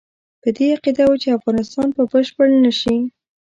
په دې عقیده وو چې افغانستان به بشپړ نه شي.